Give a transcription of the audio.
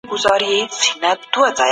مجلس د روغتيا پر سيسټم نيوکي کوي.